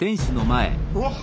うわっ。